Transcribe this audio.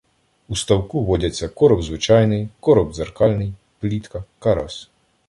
У ставку водяться короп звичайний, короп дзеркальний, плітка, карась.